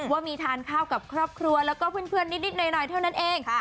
ว่ามีทานข้าวกับครอบครัวแล้วก็เพื่อนนิดหน่อยเท่านั้นเอง